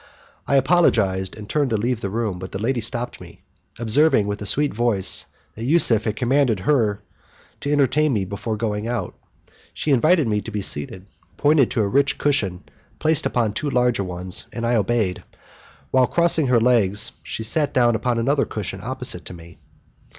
I apologized, and turned to leave the room, but the lady stopped me, observing, with a sweet voice, that Yusuf had commanded her to entertain me before going out. She invited me to be seated, pointing to a rich cushion placed upon two larger ones, and I obeyed, while, crossing her legs, she sat down upon another cushion opposite to me.